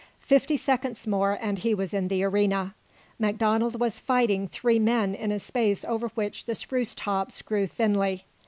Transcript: Fifty seconds more and he was in the arena. MacDonald was fighting three men in a space over which the spruce tops grew thinly.